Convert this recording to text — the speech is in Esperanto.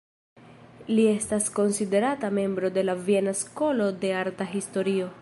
Li estas konsiderata membro de la "Viena Skolo de Arta Historio".